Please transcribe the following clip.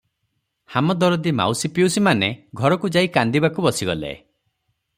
ହାମଦରଦୀ ମାଉସୀ ପିଉସୀମାନେ ଘରକୁ ଯାଇ କାନ୍ଦିବାକୁ ବସିଗଲେ ।